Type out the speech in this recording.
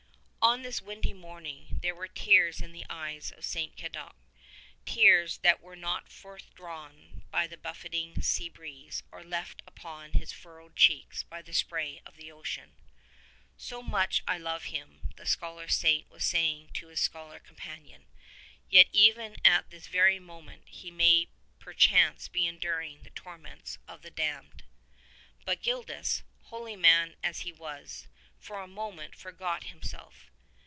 '' On this windy morning there were tears in the eyes of St. Cadoc, tears that were not forthdrawn by the buffeting sea breeze, or left upon his furrowed cheeks by the spray of the ocean. "So much I love him," the Scholar Saint was saying to his scholar companion, "yet even at this very moment he may perchance be enduring the torments of the damned." But Gildas, holy man as he was, for a moment forgot him self.